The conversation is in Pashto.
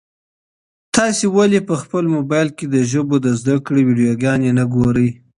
تاسي ولي په خپل موبایل کي د ژبو د زده کړې ویډیوګانې نه ګورئ؟